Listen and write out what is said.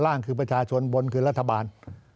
ร่างคือประชาชนบนคือรัฐบาล